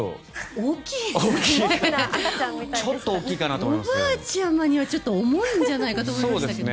おばあちゃまには重いんじゃないかなと思いましたけど。